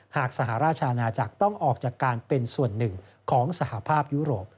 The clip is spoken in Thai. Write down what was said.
สหราชอาณาจักรต้องออกจากการเป็นส่วนหนึ่งของสหภาพยุโรป